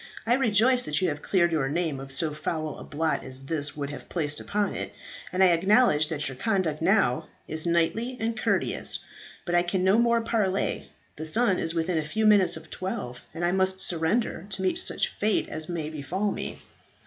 I rejoice that you have cleared your name of so foul a blot as this would have placed upon it, and I acknowledge that your conduct now is knightly and courteous. But I can no more parley. The sun is within a few minutes of twelve, and I must surrender, to meet such fate as may befall me."